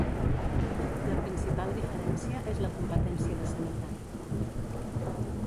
La principal diferència és la competència de sanitat.